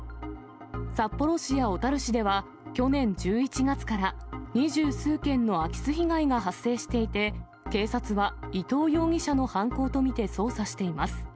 札幌市や小樽市では、去年１１月から、二十数件の空き巣被害が発生していて、警察は伊藤容疑者の犯行と見て捜査しています。